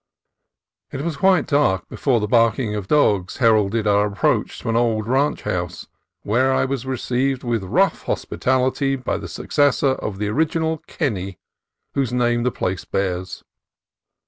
It was quite dark before the barking of dogs her alded our approach to an old ranch house, where I was received with rough hospitality by the successor of the original Kenny whose name the place bears.